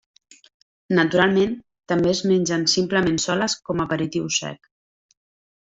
Naturalment, també es mengen simplement soles com a aperitiu sec.